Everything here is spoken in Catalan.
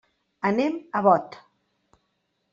Anem a Bot.